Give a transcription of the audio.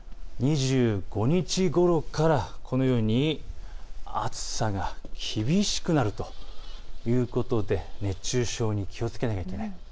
２５日ごろからこのように暑さが厳しくなるということで熱中症に気をつけないといけません。